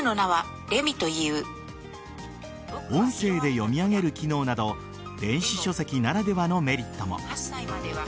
音声で読み上げる機能など電子書籍ならではのメリットも。